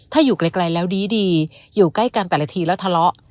ถ้าอยู่ไกลแล้วดีอยู่ใกล้กันแต่ละทีแล้วทะเลาะ